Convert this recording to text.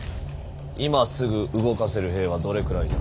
今すぐ動かせる兵はどれくらいだ。